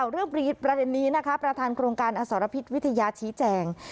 เรื่องประเด็นนี้นะคะประธานโครงการอสรพิษวิทยาชี้แจง